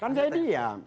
kan saya diam